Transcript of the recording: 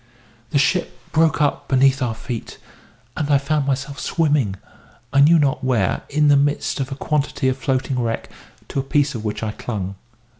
"The ship broke up beneath our feet, and I found myself swimming, I knew not where, in the midst of a quantity of floating wreck, to a piece of which I clung.